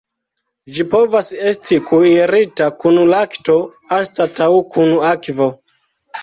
Ĝi povas esti kuirita kun lakto anstataŭ kun akvo.